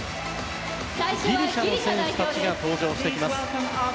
ギリシャの選手たちが登場してきます。